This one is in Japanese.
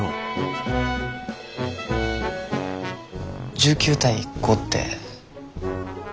１９対５って。